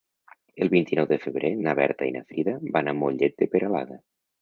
El vint-i-nou de febrer na Berta i na Frida van a Mollet de Peralada.